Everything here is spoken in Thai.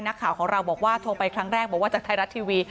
นักข่าวของเราบอกว่าโทรไปครั้งแรกบอกว่าจากไทยรัฐทีวี